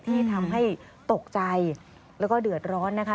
ที่ทำให้ตกใจแล้วก็เดือดร้อนนะคะ